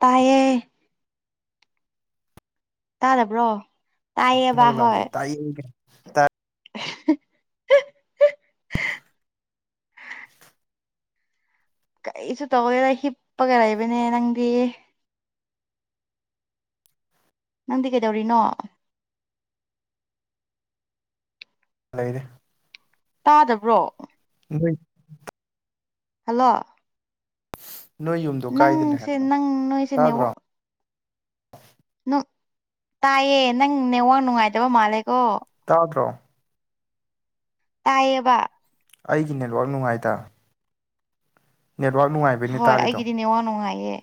ꯇꯥꯏꯌꯦ ꯇꯥꯗꯕ꯭ꯔꯣ ꯇꯥꯏꯌꯦꯕ ꯅꯒ ꯂꯥꯎꯦꯗꯦ ꯇꯥꯢꯌ ꯇ ꯍ ꯍ ꯍ ꯀꯩꯁꯨ ꯇꯧꯒꯦꯗ ꯍꯤꯞꯄꯒ ꯂꯩꯕꯅꯦ ꯅꯪꯗꯤ ꯅꯪꯗꯤ ꯀꯩꯗꯧꯔꯤꯅꯣ ꯂꯩꯔꯤ ꯇꯥꯗꯕ꯭ꯔꯣ ꯍꯨꯖꯤꯛ ꯍꯜꯂꯣ ꯅꯣꯏ ꯌꯨꯝꯗꯣ ꯀꯥꯏꯗꯅ ꯅꯪꯁꯦ ꯍꯥꯏꯕꯅꯣ ꯅꯪ ꯅꯣꯏꯁꯦ ꯇꯥꯕ꯭ꯔꯣ ꯅꯦꯠꯋꯥꯛ ꯇꯥꯏꯌꯦ ꯅꯪ ꯅꯦꯋꯥꯡ ꯅꯨꯡꯉꯥꯏꯇꯕ ꯃꯥꯜꯂꯦꯀꯣ ꯇꯥꯗ꯭ꯔꯣ ꯇꯥꯏꯌꯦꯕ ꯑꯩꯒꯤ ꯅꯦꯠꯋꯥꯛ ꯅꯨꯡꯉꯥꯏꯗ ꯅꯦꯠꯋꯔꯥꯛ ꯅꯨꯡꯉꯥꯏꯕꯩꯅꯦ ꯍꯣꯏ ꯇꯥꯔꯤꯗꯣ ꯑꯩꯒꯤꯗꯤ ꯅꯦꯠꯋꯥꯛ ꯅꯨꯡꯉꯥꯏꯌꯦ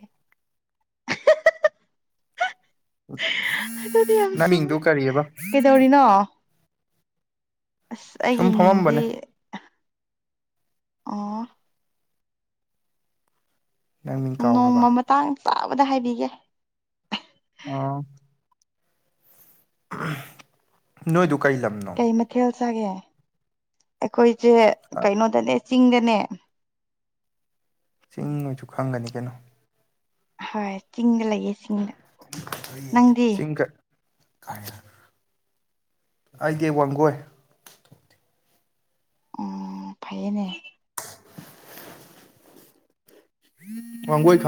ꯑꯗꯨꯗꯤ ꯌꯥꯝ ꯅꯪ ꯆꯝꯃꯦ ꯃꯤꯡꯗꯨ ꯀꯔꯤꯑꯕ ꯀꯩꯗꯧꯔꯤꯅꯣ ꯑꯁ ꯑꯩꯒꯤ ꯁꯨꯝ ꯃꯤꯡꯗꯤ ꯐꯝꯃꯝꯕꯅꯦ ꯑꯣ ꯅꯪ ꯃꯤꯡ ꯀꯥꯎꯈ꯭ꯔꯕ ꯅꯣꯡꯃ ꯃꯇꯥꯡ ꯆꯥꯕꯗ ꯍꯥꯏꯕꯤꯒꯦ ꯑꯥ ꯑ ꯅꯣꯏꯗꯨ ꯀꯩ ꯂꯝꯅꯣ ꯇꯥꯢꯌꯦ ꯑꯩꯈꯣꯏꯁꯦ ꯀꯩꯅꯣꯗꯅꯦ ꯆꯤꯡꯗꯅꯦ ꯆꯤꯡ ꯑꯣꯏꯁꯨ ꯈꯪꯒꯅꯤ ꯀꯩꯅꯣ ꯍꯣꯏ ꯆꯤꯡꯗ ꯂꯩꯌꯦ ꯆꯤꯡꯗ ꯅꯪꯗꯤ ꯆꯤꯡ ꯑꯩꯗꯤ ꯋꯥꯡꯒꯣꯏ ꯎꯝ ꯐꯩꯌꯦꯅꯦ [inaudible]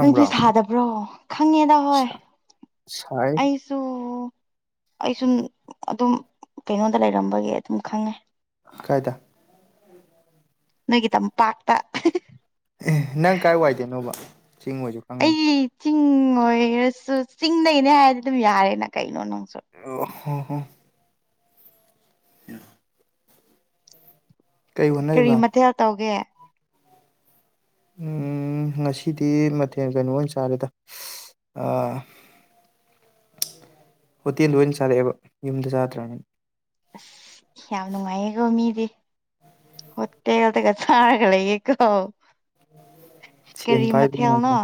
ꯅꯪꯗꯤ ꯁꯥꯗꯕ꯭ꯔꯣ ꯈꯪꯉꯦꯗ ꯍꯣꯏ ꯁꯥꯏ ꯑꯩꯁꯨ ꯑꯩ ꯁꯨꯝ ꯑꯗꯨꯝ ꯀꯩꯅꯣꯗ ꯂꯩꯔꯝꯕꯒꯤ ꯑꯗꯨꯝ ꯈꯪꯉꯦ ꯀꯥꯏꯗ ꯅꯣꯏꯒꯤ ꯇꯝꯄꯥꯥꯛꯇ ꯑꯦ ꯅꯪ ꯀꯥꯏ ꯋꯥꯏꯗꯩꯅꯣꯕ ꯆꯤꯡ ꯑꯣꯏꯁꯨ ꯈꯪꯒꯅꯤ ꯑꯩꯒꯤ ꯆꯤꯡ ꯑꯣꯏꯔꯁꯨ ꯆꯤꯡꯗꯩꯅꯦ ꯍꯥꯏꯔꯗꯤ ꯑꯗꯨꯝ ꯌꯥꯔꯦꯅ ꯀꯩ ꯑ ꯍꯣ ꯍꯣ ꯎꯝ ꯀꯔꯤ ꯍꯣꯠꯅꯔꯤꯕ ꯃꯊꯦꯜ ꯇꯧꯒꯦ ꯎꯝ ꯉꯁꯤꯗꯤ ꯃꯊꯦꯜ ꯀꯩꯅꯣ ꯑꯣꯏꯅ ꯆꯥꯔꯦꯗ ꯑ ꯍꯣꯇꯦꯜꯗ ꯑꯣꯏꯅ ꯆꯥꯔꯛꯑꯦꯕ ꯌꯨꯝꯗ ꯆꯥꯗ꯭ꯔꯕꯅꯤ ꯑꯁ ꯌꯥꯝ ꯅꯨꯡꯉꯥꯏꯌꯦꯀꯣ ꯃꯤꯗꯤ ꯍꯣꯇꯦꯜꯗꯒ ꯆꯥꯔꯒ ꯂꯩ ꯌꯦꯀꯣ ꯁꯦꯟ ꯀꯔꯤ ꯄꯥꯏꯕ ꯃꯊꯦꯜꯅꯣ ꯉꯝꯃꯦ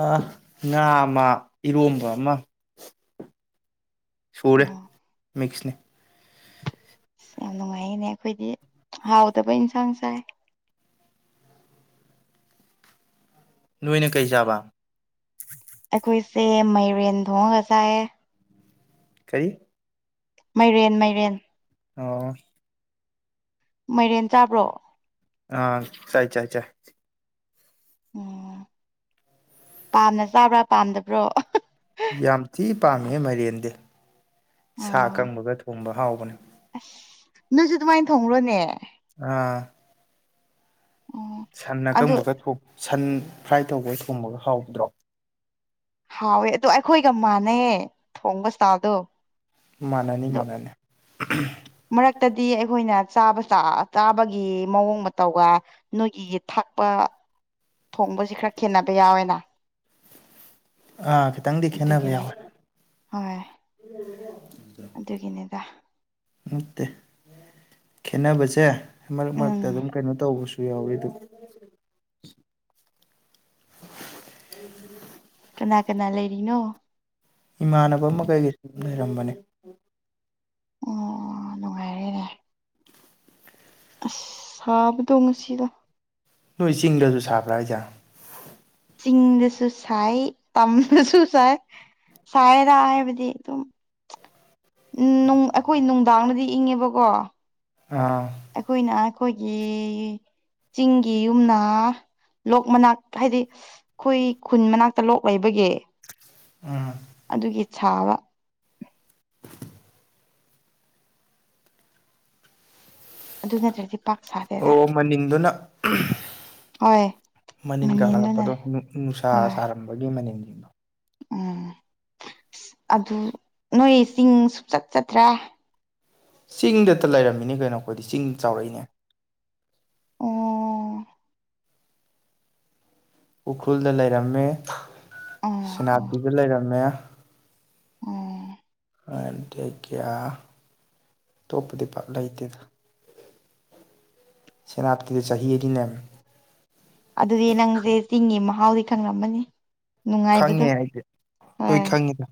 ꯑ ꯉꯥ ꯑꯃ ꯏꯔꯣꯝꯕ ꯑꯃ ꯑꯣ ꯁꯨꯔꯦ ꯃꯤꯛꯁꯅꯦ ꯑꯁ ꯌꯥꯝ ꯅꯨꯡꯉꯥꯏꯌꯦꯅꯦ ꯑꯩꯈꯣꯏꯗꯤ ꯍꯥꯎꯗꯕ ꯏꯟꯁꯥꯡ ꯆꯥꯏ ꯅꯣꯏꯅ ꯀꯩ ꯆꯥꯕ ꯑꯩꯈꯣꯏꯁꯦ ꯃꯥꯏꯔꯦꯟ ꯊꯣꯡꯉꯒ ꯆꯥꯏꯌꯦ ꯀꯔꯤ ꯃꯥꯏꯔꯦꯟ ꯃꯥꯏꯔꯦꯟ ꯑꯣ ꯃꯥꯏꯔꯦꯟ ꯆꯥꯕ꯭ꯔꯣ ꯑꯥ ꯆꯥꯏ ꯆꯥꯏ ꯆꯥꯏ ꯎꯝ ꯄꯥꯝꯅ ꯆꯥꯕ꯭ꯔꯥ ꯄꯥꯝꯗꯕ꯭ꯔꯣ ꯌꯥꯝ ꯊꯤ ꯄꯥꯝꯃꯦꯍꯦ ꯃꯥꯏꯔꯦꯟꯗꯤ ꯁꯥ ꯑꯣ ꯑꯀꯪꯕꯒ ꯊꯣꯡꯕ ꯍꯥꯎꯕꯅꯦ ꯑꯁ ꯅꯣꯏꯁꯨ ꯑꯗꯨꯃꯥꯏꯅ ꯊꯣꯡꯕ꯭ꯔꯣꯅꯦ ꯑꯥ ꯑꯣ ꯁꯟ ꯑꯗꯨ ꯑꯀꯪꯕꯒ ꯊꯣꯡ ꯁꯟ ꯐ꯭ꯔꯥꯏ ꯇꯧꯕꯒ ꯊꯣꯕꯒ ꯍꯥꯎꯕꯗ꯭ꯔꯣ ꯍꯥꯎꯋꯦ ꯑꯗꯣ ꯑꯩꯈꯣꯏꯒ ꯃꯥꯟꯅꯩꯌꯦ ꯊꯣꯡꯕ ꯁꯇꯥꯜꯗꯣ ꯃꯥꯟꯅꯅꯤ ꯃꯥꯟꯅꯅꯤ ꯃꯔꯛꯇꯗꯤ ꯑꯩꯈꯣꯏꯅ ꯆꯥꯕ ꯑ ꯆꯥꯕꯒꯤ ꯃꯑꯣꯡ ꯃꯇꯧꯒ ꯅꯣꯏꯒꯤ ꯊꯛ ꯄ ꯊꯣꯡꯕꯁꯤ ꯈꯔ ꯈꯦꯠꯅꯕ ꯌꯥꯎꯋꯦꯅ ꯑꯥ ꯈꯤꯇꯪꯗꯤ ꯈꯦꯠꯅꯕ ꯑꯗꯨꯒꯤꯅꯤ ꯌꯥꯎꯋꯦ ꯍꯣꯏ ꯑꯗꯨꯒꯤꯅꯤꯗ ꯅꯠꯇꯦ ꯈꯦꯠꯅꯕꯁꯦ ꯃꯔꯛ ꯃꯔꯛꯇ ꯎꯝ ꯑꯗꯨꯝ ꯀꯩꯅꯣ ꯇꯧꯕꯁꯨ ꯌꯥꯎꯋꯦ ꯑꯗꯨꯕꯨ [inaudible] ꯀꯅꯥ ꯀꯅꯥ ꯂꯩꯔꯤꯅꯣ ꯂꯩꯔꯝꯕꯅꯤ ꯑꯣ ꯅꯨꯡꯉꯥꯏꯔꯦꯅꯦ ꯑꯁ ꯁꯥꯕꯗꯣ ꯉꯁꯤꯗ ꯅꯣꯏ ꯆꯤꯡꯗꯁꯨ ꯁꯥꯕ꯭ꯔꯥ ꯍꯥꯏꯖꯦ ꯆꯤꯡꯗꯁꯨ ꯁꯥꯏ ꯇꯝꯗꯁꯨ ꯁꯥꯏ ꯁꯥꯏꯗ ꯍꯥꯏꯕꯗꯤ ꯗꯨꯝ ꯎꯝ ꯅꯨꯡ ꯑꯩꯈꯣꯏ ꯅꯨꯡꯗꯥꯡꯗꯗꯤ ꯏꯪꯉꯦꯕꯀꯣ ꯑꯥ ꯑꯩꯈꯣꯏꯅ ꯑꯩꯈꯣꯏꯒꯤ ꯆꯤꯡꯒꯤ ꯌꯨꯝꯅꯥ ꯂꯣꯛ ꯃꯅꯥꯛ ꯍꯥꯏꯗꯤ ꯑꯩꯈꯣꯏ ꯈꯨꯟ ꯃꯅꯥꯛꯇ ꯂꯣꯛ ꯂꯩꯕꯒꯤ ꯑꯥ ꯑꯗꯨꯒꯤ ꯁꯥꯕ ꯑꯗꯨ ꯅꯠꯇ꯭ꯔꯗꯤ ꯄꯥꯛ ꯁꯥꯗꯦꯗ ꯑꯣ ꯃꯅꯤꯟꯗꯨꯅ ꯍꯣꯏ ꯃꯅꯤꯟ ꯃꯅꯤꯟꯗꯨꯅ ꯀꯥꯈꯠꯂꯛꯄꯗꯣ ꯅꯨꯡꯁꯥ ꯍꯣꯏ ꯁꯥꯔꯝꯕꯒꯤ ꯃꯅꯤꯟ ꯎꯝ ꯑꯗꯨ ꯅꯣꯏ ꯆꯤꯡ ꯁꯨꯡꯆꯠ ꯆꯠꯇ꯭ꯔꯦ ꯆꯤꯡꯗꯇ ꯂꯩꯔꯝꯃꯤꯅꯦ ꯀꯩꯅꯣ ꯑꯩꯈꯣꯏꯗꯤ ꯆꯤꯡꯗ ꯆꯥꯎꯔꯛꯏꯅꯦ ꯑꯣ ꯎꯈ꯭ꯔꯨꯜꯗ ꯂꯩꯔꯝꯃꯦ ꯑꯣ ꯑꯣ ꯁꯦꯅꯥꯄꯇꯤꯗ ꯂꯩꯔꯝꯃꯦ ꯑꯣ ꯑꯗꯒꯤ ꯑ ꯑꯇꯣꯞꯄꯗꯤ ꯄꯥꯛ ꯂꯩꯇꯦꯗ ꯁꯅꯥ ꯑꯗꯨꯗꯤ ꯅꯪꯁꯦ ꯆꯤꯡꯒꯤ ꯃꯍꯥꯎꯗꯤ ꯈꯪꯂꯝꯃꯅꯤ ꯅꯨꯡꯉꯥꯏꯕꯗꯣ ꯈꯪꯉꯦ ꯑꯩꯗꯤ ꯂꯣꯢ ꯍꯣꯏ ꯈꯪꯉꯤ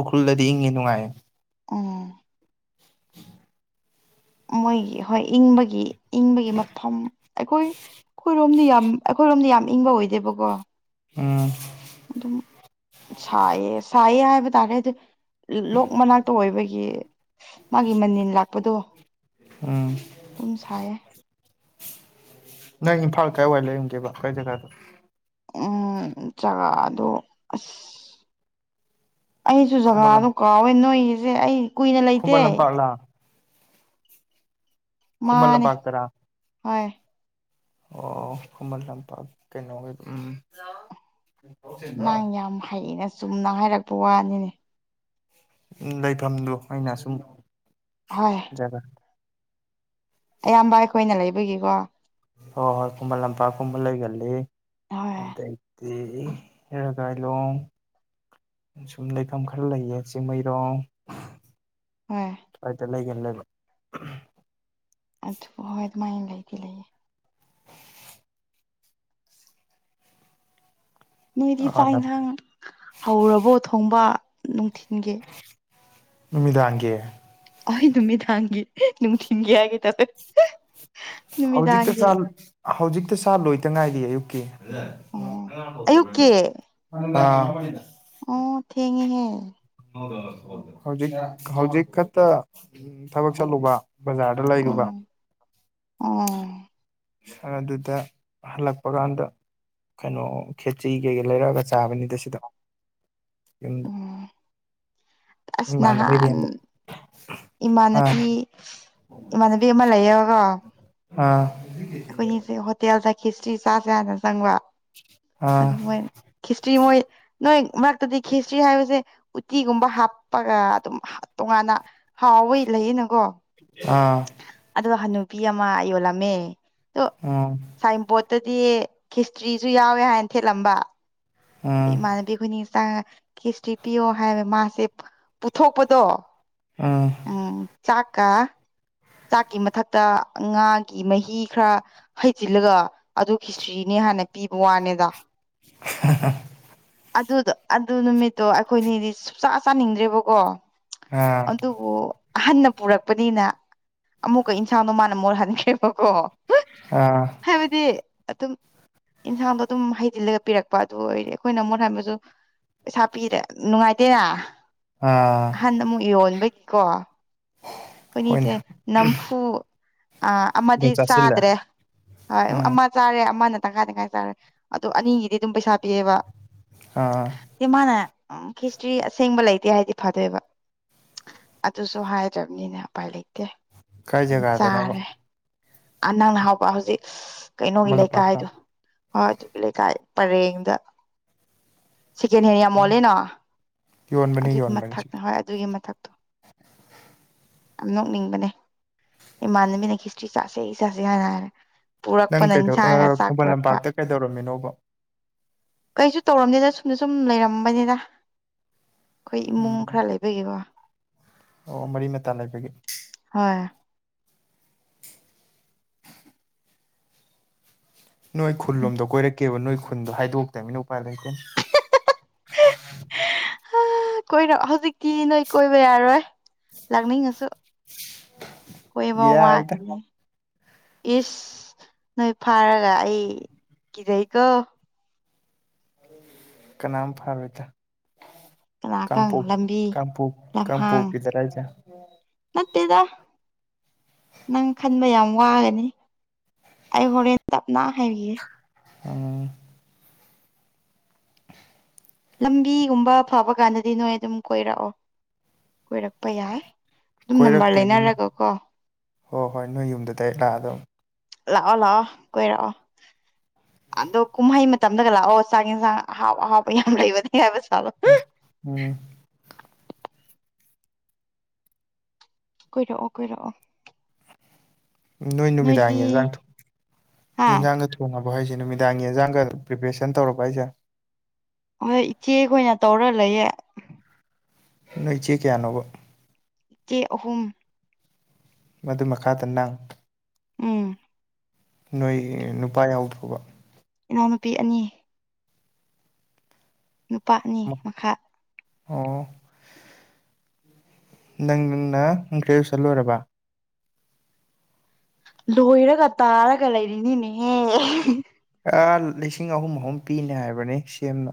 ꯎꯈ꯭ꯔꯨꯜꯗꯗꯤ ꯏꯪꯉꯤ ꯅꯨꯡꯉꯥꯏꯌꯦ ꯎꯝ ꯃꯣꯏꯒꯤ ꯍꯣꯏ ꯏꯪꯕꯒꯤ ꯏꯪꯕꯒꯤ ꯃꯐꯝ ꯑꯩꯈꯣꯏ ꯑꯩꯈꯣꯏꯔꯣꯝꯗꯤ ꯌꯥꯝ ꯑꯩꯈꯣꯏꯔꯣꯝꯗꯤ ꯌꯥꯝ ꯏꯪꯕ ꯑꯣꯏꯗꯦꯕꯀꯣ ꯎꯝ ꯑꯗꯨꯝ ꯁꯥꯏꯌꯦ ꯁꯥꯏꯌꯦ ꯍꯥꯏꯕ ꯇꯥꯔꯦꯗꯤ ꯂꯣꯛ ꯃꯅꯥꯛꯇ ꯑꯣꯏꯕꯒꯤ ꯃꯥꯒꯤ ꯃꯅꯤꯜ ꯂꯥꯛꯄꯗꯣ ꯎꯝ ꯑꯗꯨꯝ ꯁꯥꯏꯌꯦ ꯅꯪ ꯢꯝꯐꯥꯜ ꯀꯥꯏ ꯋꯥꯏ ꯂꯩꯔꯝꯒꯦꯕ ꯀꯥꯢ ꯖꯥꯒꯥꯗ ꯎꯝ ꯖꯒꯥꯗꯣ ꯑꯁ ꯑꯩꯁꯨ ꯈꯨꯃꯟ ꯂꯝ ꯖꯒꯥꯗꯣ ꯀꯥꯎꯋꯦ ꯅꯣꯏꯒꯤꯁꯦ ꯑꯩ ꯀꯨꯏꯅ ꯂꯩꯇꯦ ꯈꯨꯃꯟ ꯂꯝꯄꯥꯛꯂꯥ ꯈꯨꯃꯟ ꯃꯥꯅꯦ ꯂꯝꯄꯥꯛꯇꯔꯥ ꯍꯣꯏ ꯑꯣ ꯈꯨꯃꯟ ꯂꯝꯄꯥꯛ ꯀꯩꯅꯣ ꯎꯝ ꯅꯪ ꯌꯥꯝ ꯍꯩꯅ ꯆꯨꯝꯅ ꯍꯥꯏꯔꯛꯄ ꯋꯥꯅꯤꯅꯦ ꯎ ꯂꯩꯐꯝꯗꯨ ꯑꯩꯅ ꯁꯨꯝ ꯍꯣꯏ ꯖꯒꯥ ꯑꯌꯥꯝꯕ ꯑꯩꯈꯣꯏꯅ ꯂꯩꯕꯒꯤꯀꯣ ꯍꯣꯏ ꯍꯣꯏ ꯈꯨꯃꯟ ꯂꯝꯄꯥꯛ ꯀꯨꯝꯕ ꯂꯩꯒꯜꯂꯤ ꯍꯣꯏ ꯑꯗꯩꯗꯤ ꯔꯒꯥꯏꯔꯣꯡ ꯁꯨꯝ ꯂꯩꯐꯝ ꯈꯔ ꯂꯩꯌꯦ ꯆꯤꯡꯃꯩꯔꯣꯡ ꯍꯣꯏ ꯑꯗ ꯂꯩꯒꯟꯂꯦ ꯂꯩꯕ ꯑꯗꯣ ꯍꯣꯢ ꯑꯗꯨꯃꯥꯢ ꯂꯩꯗꯤ ꯂꯩꯌꯦ ꯅꯣꯏꯗꯤ ꯆꯥꯛ ꯍꯥꯟꯅ ꯏꯟꯊꯥꯡ ꯍꯧꯔꯕꯣ ꯊꯣꯡꯕ ꯅꯨꯡꯊꯤꯟꯒꯤ ꯅꯨꯃꯤꯗꯥꯡꯒꯤ ꯑꯩꯍ ꯅꯨꯃꯤꯗꯥꯡꯒꯤ ꯅꯨꯡꯊꯤꯡꯒꯤ ꯍꯥꯏꯒꯦ ꯇꯧꯑꯦ ꯍꯧꯖꯤꯛꯇ ꯆꯥ ꯍꯧꯖꯤꯛꯇ ꯆꯥ ꯂꯣꯏꯗ ꯉꯥꯏꯔꯤꯌꯦ ꯑꯌꯨꯛꯀꯤ ꯑꯣ ꯑꯌꯨꯛꯀꯤ [unintelligible] ꯑꯣ ꯊꯦꯡ ꯉꯦꯍꯦ ꯍꯧꯖꯤꯛ ꯍꯧꯖꯤꯛ ꯈꯛꯇ ꯊꯕꯛ ꯆꯠꯂꯨꯕ ꯕꯖꯥꯔꯗ ꯂꯩꯔꯨꯕ ꯎꯝ ꯎꯝ ꯑ ꯑꯗꯨꯗ ꯍꯜꯂꯛꯄ ꯀꯥꯟꯗ ꯀꯩꯅꯣ ꯈꯦꯆ꯭ꯔꯤ ꯀꯩꯀꯩ ꯂꯩꯔꯛꯑꯒ ꯆꯥꯕꯅꯤꯗ ꯁꯤꯗ ꯌꯨꯝꯗ ꯎꯝ ꯑꯁ ꯅꯍꯥꯟ ꯑꯥ ꯏꯃꯥꯟꯅꯕꯤ ꯏꯃꯥꯟꯅꯕꯤ ꯑꯃ ꯂꯩꯌꯦꯕ ꯑꯥ ꯑꯩꯈꯣꯏꯅꯤꯁꯦ ꯍꯣꯇꯦꯜꯗ ꯈꯦꯆ꯭ꯔꯤ ꯆꯥꯖ ꯍꯥꯢꯅ ꯆꯪꯕ ꯑꯥ ꯑꯗꯨ ꯃꯣꯏ ꯈꯦꯆ꯭ꯔꯤ ꯃꯣꯏ ꯅꯣꯏ ꯃꯔꯛꯇꯗꯤ ꯈꯦꯁꯇ꯭ꯔꯤ ꯍꯥꯏꯕꯁꯦ ꯎꯇꯤꯒꯨꯝꯕ ꯍꯥꯞꯄꯔꯥ ꯑꯗꯨꯝ ꯇꯣꯉꯥꯟꯅ ꯍꯥꯎꯋꯦ ꯂꯩꯌꯦꯅꯀꯣ ꯍꯥ ꯑꯗꯣ ꯍꯅꯨꯄꯤ ꯑꯃ ꯌꯣꯜꯂꯝꯃꯦ ꯑꯗꯣ ꯎꯝ ꯁꯥꯏꯟꯕꯣꯔꯗ ꯗꯗꯤ ꯈꯤꯁꯇ꯭ꯔꯤꯁꯨ ꯌꯥꯎꯋꯦ ꯍꯥꯏꯅ ꯊꯦꯠꯂꯝꯕ ꯑꯗꯩ ꯎꯝ ꯏꯃꯥꯟꯅꯕꯤ ꯑꯩꯈꯣꯏꯅꯤ ꯥꯆꯪꯉ ꯈꯤꯁꯇꯔꯤ ꯄꯤꯌꯣ ꯍꯥꯏꯕ ꯃꯥꯁꯦ ꯄꯨꯊꯣꯛꯄꯗꯣ ꯎꯝ ꯆꯥꯛꯀꯥ ꯆꯥꯛꯀꯤ ꯃꯊꯛꯇ ꯉꯥꯒꯤ ꯃꯍꯤ ꯈꯔ ꯍꯩꯖꯤꯜꯂꯒ ꯑꯗꯨꯒꯤ ꯈꯤꯁꯇꯆ꯭ꯔꯤꯅꯦ ꯍꯥꯟꯅ ꯄꯤꯕ ꯋꯥꯅꯦꯗ [unintelligible] ꯑꯗꯨꯗꯣ ꯑꯗꯨ ꯅꯨꯃꯤꯠꯇꯣ ꯑꯩꯈꯣꯏꯅꯤꯗꯤ ꯁꯨꯛꯆꯥ ꯆꯥꯅꯤꯡꯗ꯭ꯔꯦꯕꯀꯣ ꯑꯥ ꯑꯗꯨꯕꯨ ꯑꯍꯟꯅ ꯄꯨꯔꯛꯄꯅꯤꯅ ꯑꯃꯨꯛꯀ ꯏꯟꯁꯥꯡꯗꯣ ꯃꯥꯅ ꯃꯣꯠꯍꯟꯈ꯭ꯔꯦꯕꯀꯣ ꯑꯥ ꯍꯥꯏꯕꯗꯤ ꯑꯗꯨꯝ ꯏꯟꯁꯥꯡꯗꯣ ꯑꯗꯨꯝ ꯍꯩꯖꯤꯜꯂꯒ ꯄꯤꯔꯛꯄ ꯑꯗꯨ ꯑꯣꯏꯔꯗꯤ ꯑꯩꯈꯣꯏꯅ ꯑꯃꯨꯛ ꯍꯥꯏꯕꯁꯨ ꯄꯩꯁꯥ ꯄꯤꯔꯦ ꯅꯨꯡꯉꯥꯏꯇꯦꯅꯥ ꯑꯥ ꯑꯍꯟ ꯅ ꯑꯃꯨꯛ ꯌꯣꯟꯕꯩꯀꯣ ꯍꯣꯏꯅꯦ ꯑꯩꯈꯣꯏꯅꯤꯁꯦ ꯅꯝꯐꯨ ꯑꯥ ꯑꯃꯗꯤ ꯑꯗꯨꯝ ꯆꯥꯁꯤꯜꯂꯦ ꯆꯥꯗ꯭ꯔꯦ ꯑꯥ ꯎꯝ ꯑꯃ ꯆꯥꯔꯦ ꯑꯃꯅ ꯇꯪꯈꯥꯏ ꯇꯪꯈꯥꯏ ꯇꯧꯔꯦ ꯑꯗꯣ ꯑꯅꯤꯒꯤꯗꯤ ꯑꯗꯨꯝ ꯄꯩꯁꯥ ꯄꯤꯌꯦꯕ ꯑꯥ ꯏ ꯃꯥꯅ ꯎꯝ ꯈꯤꯁꯇ꯭ꯔꯤ ꯑꯁꯦꯡꯕ ꯂꯩꯇꯦ ꯍꯥꯏꯗꯤ ꯐꯗꯣꯏꯕ ꯑꯗꯨꯁꯨ ꯍꯥꯏꯗ ꯅꯤꯅ ꯎꯄꯥꯏ ꯂꯩꯇꯦ ꯀꯥꯏ ꯑꯗꯨꯝ ꯖꯒꯥꯗꯅꯣꯕ ꯆꯥꯔꯦ ꯑꯥ ꯅꯪꯅ ꯍꯥꯎꯕ ꯍꯧꯖꯤꯛ ꯀꯩꯅꯣꯒꯤ ꯈꯨꯃꯟ ꯂꯝꯄꯥꯛꯇ ꯂꯩꯀꯥꯏꯗꯣ ꯍꯣꯏ ꯑꯗꯨꯒꯤ ꯂꯩꯀꯥꯏ ꯄꯔꯦꯡꯗ ꯁꯦꯀꯦꯟ ꯍꯦꯟ ꯌꯥꯝ ꯎꯝ ꯃꯣꯂꯦꯅ ꯌꯣꯟꯕꯅꯤ ꯑꯗꯨꯒꯤ ꯌꯣꯟꯕꯅꯤ ꯃꯊꯛ ꯁꯤ ꯍꯣꯏ ꯑꯗꯨꯒꯤ ꯃꯊꯛꯇꯣ ꯌꯥꯝ ꯅꯣꯛꯅꯤꯡꯕꯅꯦ ꯏꯃꯥꯟꯅꯕꯤꯅ ꯈꯤꯁꯆ꯭ꯔꯤ ꯆꯥꯁꯦ ꯆꯥꯁꯦ ꯍꯥꯏꯅ ꯍꯥꯏꯔ ꯅꯪ ꯀꯩꯗꯧ ꯑꯥ ꯈꯨꯃꯟ ꯂꯝꯄꯥꯛꯇ ꯀꯩꯗꯧꯔꯝꯃꯤꯅꯣꯕ ꯀꯩꯁꯨ ꯇꯧꯔꯝꯗꯦꯗ ꯁꯨꯝꯅ ꯁꯨꯝ ꯂꯩꯔꯝꯕꯅꯤꯗ ꯑꯩꯈꯣꯏ ꯏꯃꯨꯡ ꯎꯝ ꯈꯔ ꯂꯩꯕꯒꯤꯀꯣ ꯑꯣ ꯃꯔꯤ ꯃꯇꯥ ꯂꯩꯕꯒꯤ ꯑꯥ ꯅꯣꯏ ꯈꯨꯜꯂꯣꯝꯗ ꯀꯣꯏꯔꯛꯀꯦꯕꯨ ꯅꯣꯏ ꯈꯨ ꯈꯨꯨꯟꯗꯣ ꯍꯥꯏꯗꯣꯛꯇꯃꯤꯅ ꯎꯄꯥꯏ ꯂꯩꯇꯦ ꯍꯥ ꯀꯣꯔꯛ ꯍꯧꯖꯤꯛꯇꯤ ꯅꯣꯏ ꯀꯣꯏꯕ ꯌꯥꯔꯣꯏ ꯂꯥꯛꯅꯤꯡꯉꯁꯨ ꯀꯣꯏꯕ ꯌꯥꯏꯗ ꯋꯥꯒꯤꯅꯤ ꯏꯁ ꯅꯣꯏ ꯐꯥꯔꯒ ꯂꯥꯛꯑꯦ ꯀꯤꯖꯩꯀꯣ ꯀꯅꯥꯝ ꯐꯥꯔꯣꯏꯗ ꯀꯅꯥꯥꯈꯪ ꯂꯝꯕꯤ ꯂꯝꯍꯥꯡ ꯀꯥꯡꯄꯣꯛꯄꯤꯗꯔ ꯍꯥꯏꯁꯦ ꯅꯠꯇꯦꯗ ꯅꯪ ꯈꯟꯕ ꯌꯥꯝ ꯋꯥꯔꯅꯤ ꯑꯩ ꯍꯣꯔꯦꯟ ꯇꯞꯅ ꯍꯥꯏꯕꯤꯒꯦ ꯎꯝ ꯂꯝꯕꯤꯒꯨꯝꯕ ꯐꯕ ꯀꯥꯟꯗꯗꯤ ꯅꯣꯏ ꯑꯗꯨꯝ ꯀꯣꯏꯔꯛꯑꯣ ꯀꯣꯏꯔꯛꯄ ꯌꯥꯏ ꯗꯨꯝ ꯅꯝꯕꯔ ꯂꯩꯅꯔꯒ ꯀꯣ ꯍꯣ ꯍꯣꯏ ꯅꯣꯏ ꯌꯨꯝꯗ ꯗꯥꯢꯔꯦꯛ ꯂꯥꯛꯑꯗꯧ ꯂꯥꯛꯑꯣ ꯂꯥꯛꯑꯣ ꯀꯣꯢꯔꯛ ꯑꯣ ꯑꯗꯣ ꯀꯨꯝꯍꯩ ꯃꯇꯝꯗꯒ ꯂꯥꯛꯑꯣ ꯆꯥꯛ ꯌꯦꯟꯁꯥꯡ ꯑꯍꯥꯎ ꯑꯍꯥꯎꯕ ꯌꯥꯝ ꯂꯩꯕꯅꯦ ꯍꯥꯏꯕꯁꯦ ꯎꯝ ꯀꯣꯏꯔꯛꯑꯣ ꯀꯣꯏꯔꯛꯑꯣ ꯅꯣꯏ ꯅꯣꯏꯗꯤ ꯅꯨꯃꯤꯗꯥꯡꯒꯤ ꯌꯦꯟꯁꯥꯡ ꯊꯣꯡ ꯍꯥ ꯌꯦꯟꯖꯥꯡꯒ ꯊꯣꯡꯉꯕ ꯋꯥꯍꯩꯁꯦ ꯅꯨꯃꯤꯗꯥꯡꯒꯤ ꯌꯦꯟꯖꯥꯡꯒ ꯑꯗꯨꯝ ꯄ꯭ꯔꯤꯄꯦꯔꯦꯁꯟ ꯇꯧꯔꯕꯣ ꯍꯥꯢꯁꯦ ꯍꯣꯏ ꯏꯆꯦꯈꯣꯏꯅ ꯇꯧꯔ ꯂꯩꯌꯦ ꯅꯣꯏ ꯏꯆꯦ ꯀꯌꯥꯅꯣꯕ ꯏꯆꯦ ꯑꯍꯨꯝ ꯃꯗꯨ ꯃꯈꯥꯗ ꯅꯪ ꯎꯝ ꯅꯣꯏꯒꯤ ꯅꯨꯄꯥ ꯌꯥꯎꯗ꯭ꯔꯣꯕ ꯏꯅꯥꯎꯅꯨꯄꯤ ꯑꯅꯤ ꯅꯨꯄꯥ ꯑꯅꯤ ꯃꯈꯥ ꯑꯣ ꯅꯪ ꯅ ꯒ꯭ꯔꯦꯖꯨꯋꯦꯁꯟ ꯂꯣꯏꯔꯕ ꯂꯣꯏꯔꯒ ꯇꯥꯔꯒ ꯂꯩꯔꯤꯅꯤꯅꯦꯍꯦ ꯑꯥ ꯂꯤꯁꯤꯡ ꯑꯍꯨꯝ ꯑꯍꯨꯝ ꯄꯤꯅꯤ ꯍꯥꯏꯕꯅꯦ ꯁꯤ ꯑꯦꯝꯅ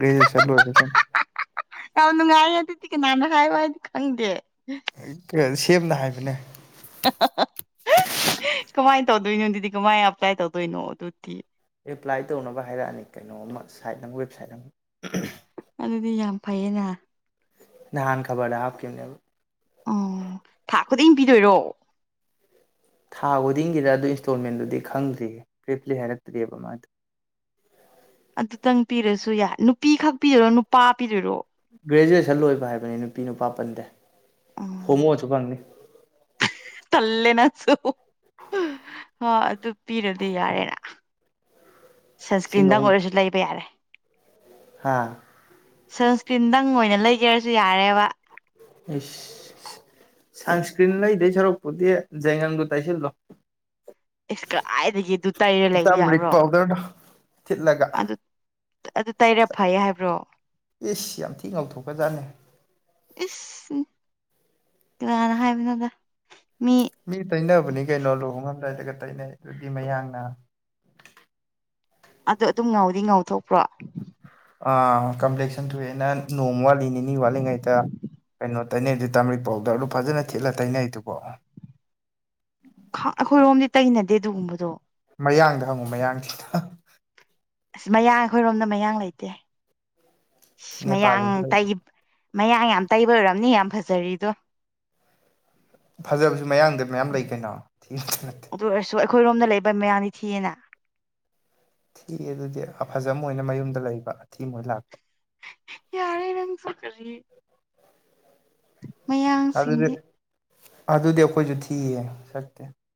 ꯒ꯭ꯔꯦꯖꯨꯋꯦꯁꯟ ꯂꯣꯏꯕꯖꯤꯡ ꯌꯥꯝ ꯅꯨꯡꯉꯥꯏꯌꯦ ꯑꯗꯨꯗꯤ ꯀꯅꯥꯅ ꯍꯥꯏꯕ ꯍꯥꯏꯗꯤ ꯈꯪꯗꯦ ꯍꯩꯛ ꯀꯩ ꯁꯤꯑꯦꯝꯅ ꯍꯥꯏꯕꯅꯦ ꯍ ꯍ ꯍ ꯀꯃꯥꯏꯅ ꯇꯧꯗꯣꯏꯅꯣ ꯑꯗꯨꯗꯤ ꯀꯃꯥꯏꯅ ꯑꯦꯞꯄ꯭ꯂꯥꯏ ꯇꯧꯗꯣꯏꯅꯣ ꯑꯗꯨꯗꯤ ꯑꯦꯄ꯭ꯂꯥꯏ ꯇꯧꯅꯕ ꯍꯥꯏꯔꯛꯑꯅꯤ ꯀꯩꯅꯣꯝꯃ ꯁꯥꯏꯠ ꯑꯃ ꯋꯦꯕꯁꯥꯏꯠ ꯑꯃ ꯑꯗꯨꯗꯤ ꯌꯥꯝ ꯐꯩꯌꯦꯅ ꯅꯍꯥꯟ ꯈꯕꯔꯗ ꯍꯥꯞꯈꯤꯕꯅꯦꯕ ꯎꯝ ꯊꯥ ꯈꯨꯗꯤꯡ ꯄꯤꯗꯣꯏꯔꯣ ꯊꯥ ꯈꯨꯗꯤꯡꯒꯤꯔꯣ ꯑꯗꯨ ꯏꯟꯁꯇꯣꯜꯃꯦꯟꯗꯨꯗꯤ ꯈꯪꯗ꯭ꯔꯤꯌꯦ ꯕ꯭ꯔꯤꯞꯂꯤ ꯍꯥꯏꯔꯛꯇ꯭ꯔꯤꯑꯦꯕ ꯃꯥꯗꯣ ꯑꯗꯨꯇꯪ ꯄꯤꯔꯁꯨ ꯌꯥꯏ ꯅꯨꯄꯤ ꯈꯛ ꯄꯤꯔꯣ ꯅꯨꯄꯥ ꯄꯤꯗꯨꯏꯔꯣ ꯒ꯭ꯔꯦꯖꯨꯑꯦꯁꯟ ꯂꯣꯏꯕ ꯍꯥꯏꯕꯅꯤ ꯅꯨꯄꯤ ꯅꯨꯄꯥ ꯄꯟꯗꯦ ꯎꯝ ꯍꯣꯃꯣꯁꯨ ꯐꯪꯅꯤ ꯇꯜꯂꯦ ꯅꯪꯁꯨ ꯍꯣꯏ ꯑꯗꯨ ꯄꯤꯔꯗꯤ ꯌꯥꯔꯦꯅ ꯁꯟꯁꯀ꯭ꯔꯤꯟꯗꯪ ꯑꯣꯏꯔꯖꯨ ꯂꯩꯕ ꯌꯥꯔꯦ ꯍꯥꯥ ꯁꯟꯁꯀ꯭ꯔꯤꯟꯗꯪ ꯑꯣꯏꯅ ꯂꯩꯒꯦꯔꯁꯨ ꯌꯥꯔꯦꯕ ꯢꯁ ꯁꯟꯁꯀ꯭ꯔꯤꯟ ꯂꯩꯗꯨꯢ ꯁꯔꯨꯛꯄꯨꯗꯤ ꯌꯥꯢꯒꯪꯗꯣ ꯇꯩꯏꯁꯤꯟꯂꯣ ꯢꯁ ꯀꯗꯥꯥꯏꯗꯒꯤ ꯑꯗꯨ ꯇꯩꯔ ꯂꯩꯕ ꯇꯔꯃꯔꯤꯛ ꯌꯥꯕ꯭ꯔꯣ ꯄꯥꯎꯗꯔꯗꯣ ꯊꯤꯠꯂꯒ ꯑꯗꯨ ꯑ ꯑꯗꯨ ꯇꯩꯔꯦ ꯐꯩꯌꯦ ꯍꯥꯏꯕ꯭ꯔꯣ ꯢꯁ ꯌꯥꯝ ꯊꯤ ꯉꯧꯊꯣꯛꯈ꯭ꯔꯖꯥꯠꯅꯤ ꯍꯝ ꯀꯥꯅꯅ ꯍꯥꯏꯕꯅꯣꯗ ꯃꯤ ꯇꯩꯅꯕꯅꯦ ꯀꯩꯅꯣ ꯂꯨꯍꯣꯡꯉꯝꯗꯥꯏꯗꯒ ꯇꯩꯅꯔꯤꯗꯨꯗꯤ ꯃꯌꯥꯡꯅ ꯑꯗꯨ ꯑꯗꯨꯝ ꯉꯧꯗꯤ ꯉꯧꯊꯣꯛꯄ꯭ꯔꯣ ꯑ ꯀꯝꯄ꯭ꯂꯦꯛꯁꯟ ꯊꯣꯛꯑꯦꯅ ꯅꯣꯡꯃ ꯋꯥꯠꯂꯤ ꯅꯤꯅꯤ ꯋꯥꯠꯂꯤꯉꯩꯗ ꯀꯩꯅꯣ ꯇꯩꯅꯩꯗꯨ ꯇꯥꯃꯔꯤꯛ ꯄꯥꯎꯗꯔꯗꯨ ꯐꯖꯅ ꯊꯤꯠꯂ ꯇꯩꯅꯩꯗꯨꯕꯣ ꯈꯪ ꯑꯩꯈꯣꯏꯔꯣꯝꯗꯗꯤ ꯇꯩꯅꯗꯦ ꯑꯗꯨꯒꯨꯝꯕꯗꯣ ꯃꯌꯥꯡꯗ ꯍꯪꯉꯨ ꯃꯌꯥꯡꯁꯤꯡꯗ ꯑꯁ ꯃꯌꯥꯡ ꯑꯩꯈꯣꯏꯔꯣꯝꯗ ꯃꯌꯥꯡ ꯂꯩꯇꯦ ꯢꯁ ꯃꯌꯥꯡ ꯅꯦꯄꯥꯜꯗ ꯇꯩꯒ ꯃꯌꯥꯡ ꯌꯥꯝ ꯇꯩꯕꯩ ꯑꯣꯏꯔꯝꯅꯤ ꯌꯥꯝ ꯐꯖꯔꯤꯗꯣ ꯐꯖꯕꯁꯨ ꯃꯌꯥꯡꯗ ꯃꯌꯥꯝ ꯂꯩ ꯀꯩꯅꯣ ꯊꯤꯕꯇ ꯅꯠꯇꯦ ꯑꯗꯣ ꯑꯩꯈꯣꯏꯔꯣꯝꯗ ꯂꯩꯕ ꯃꯌꯥꯡꯗꯤ ꯊꯤꯌꯦꯅ ꯊꯤ ꯑꯗꯨꯗꯤ ꯑꯐꯖꯕꯣꯏꯅ ꯃꯌꯨꯝꯗ ꯂꯩꯕ ꯑꯊꯤ ꯃꯣꯏ ꯂꯥꯛꯄ ꯌꯥꯔꯦ ꯅꯪꯁꯨ ꯀꯔꯤ ꯑꯗꯨꯗꯤ ꯃꯌꯥꯡꯁꯤꯡꯒꯤ ꯑꯗꯨꯗꯤ ꯑꯩꯈꯣꯏꯁꯨ ꯊꯤꯌꯦ ꯁꯛꯇꯤ